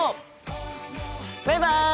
バイバイ！